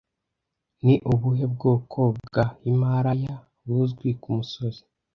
Ni ubuhe bwoko bwa Himalaya buzwi ku misozi